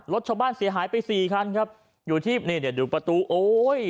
รถชาวบ้านเสียหายไปสี่คันครับอยู่ที่นี่เดี๋ยวดูประตูโอ้ย